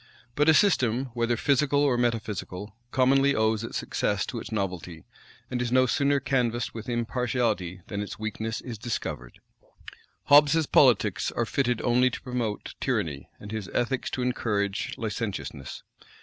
But a system, whether physical or metaphysical, commonly owes its success to its novelty; and is no sooner canvassed with impartiality than its weakness is discovered. Hobbes's politics are fitted only to promote tyranny, and his ethics to encourage licentiousness.